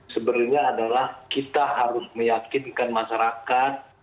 sebenarnya adalah kita harus meyakinkan masyarakat